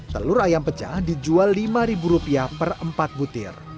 telur ayam pecah dijual rp lima per empat butir